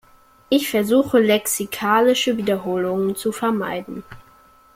Ich versuche, lexikalische Wiederholungen zu vermeiden.